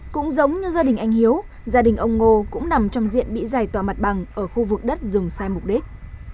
cũng giống như gia đình anh hiếu gia đình ông ngô cũng nằm trong diện bị giải tỏa mặt bằng ở khu vực đất dùng sai mục đích